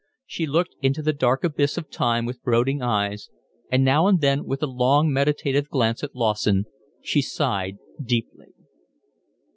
She looked into the dark abyss of time with brooding eyes, and now and then with a long meditative glance at Lawson she sighed deeply.